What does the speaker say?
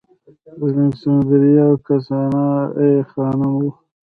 د الکسندریه اوکسیانا ای خانم و